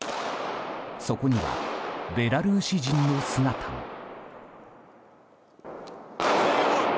そこにはベラルーシ人の姿も。